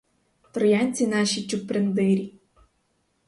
Троянці наші чуприндирі